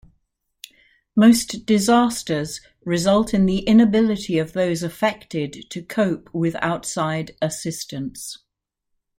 Most disasters result in the inability of those affected to cope with outside assistance.